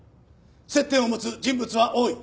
接点を持つ人物は多い。